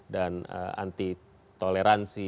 dan anti toleransi